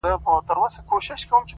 ه ته خپه د ستړي ژوند له شانه نه يې،